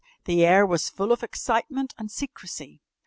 The air was full of excitement and secrecy.